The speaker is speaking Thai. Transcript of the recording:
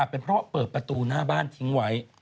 เป็นเพราะเปิดประตูหน้าบ้านทิ้งไว้